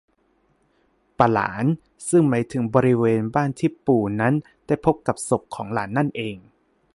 ปะหลาน ซึ่งหมายถึงบริเวณบ้านที่ปู่นั้นได้พบกับศพของหลานนั่นเอง